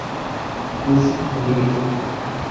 Music Unlimited.